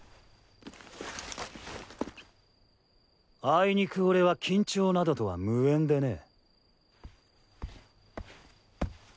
あいにく俺は緊張などとは無縁でね。